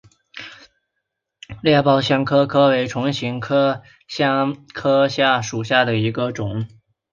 裂苞香科科为唇形科香科科属下的一个种。